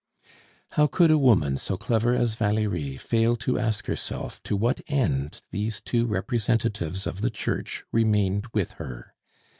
How could a woman so clever as Valerie fail to ask herself to what end these two representatives of the Church remained with her?